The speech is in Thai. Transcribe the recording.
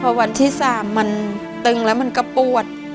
พอวันที่๓มันตึงแล้วมันก็ปวด